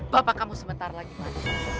bapak kamu sebentar lagi mas